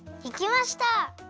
できました！